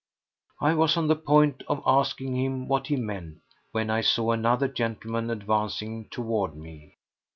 I was on the point of asking him what he meant when I saw another gentleman advancing toward me.